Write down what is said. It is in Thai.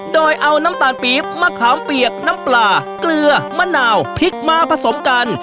โดยเอาน้ำตาลปี๊บมะขามเปียกน้ำปลาเกลือมะนาวพริกมาผสมกัน